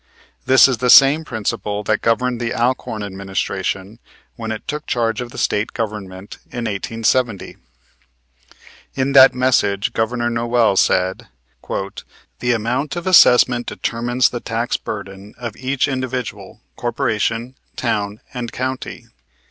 This is the same principle that governed the Alcorn administration when it took charge of the State Government in 1870. In that message Governor Noel said: "The amount of assessment determines the tax burden of each individual, corporation, town, and county.